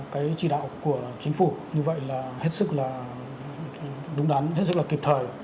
cái chỉ đạo của chính phủ như vậy là hết sức là đúng đắn hết sức là kịp thời